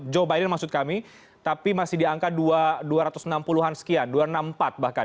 joe biden maksud kami tapi masih di angka dua ratus enam puluh an sekian dua ratus enam puluh empat bahkan